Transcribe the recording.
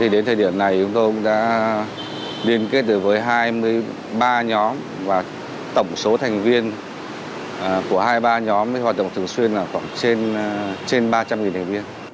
đến thời điểm này chúng tôi đã liên kết được với hai mươi ba nhóm và tổng số thành viên của hai mươi ba nhóm hoạt động thường xuyên khoảng trên ba trăm linh thành viên